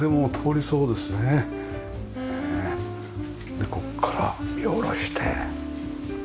でここから見下ろして。